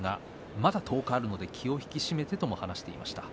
まだ１０日あるので気を引き締めたいと話していました。